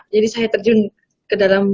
jadi saya terjun ke dalam